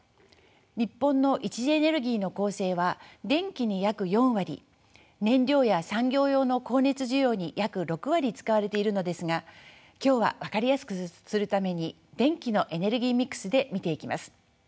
日本の一次エネルギーの構成は電気に約４割燃料や産業用の光熱需要に約６割使われているのですが今日は分かりやすくするために電気のエネルギーミックスで見ていきます。